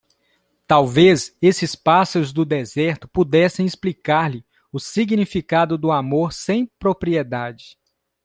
Talvez esses pássaros do deserto pudessem explicar-lhe o significado do amor sem propriedade.